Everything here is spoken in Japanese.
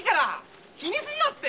気にすんなって。